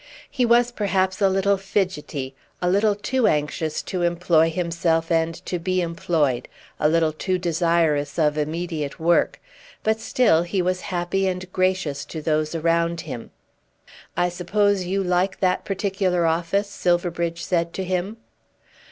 He was perhaps a little fidgety, a little too anxious to employ himself and to be employed, a little too desirous of immediate work; but still he was happy and gracious to those around him. "I suppose you like that particular office," Silverbridge said to him.